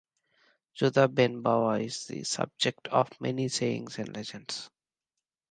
Judah ben Bava is the subject of many sayings and legends.